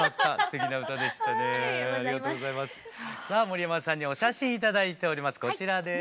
さあ森山さんにはお写真頂いております。